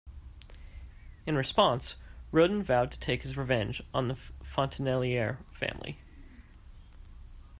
In response, Roden vowed to take his revenge on the Fontenellier family.